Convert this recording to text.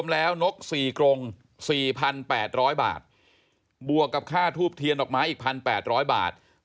แล้วนก๔กรง๔๘๐๐บาทบวกกับค่าทูบเทียนดอกไม้อีก๑๘๐๐บาท